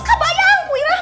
kamu bayang iyrah